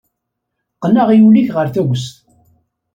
Qqen aɣyul-ik ɣer tagest.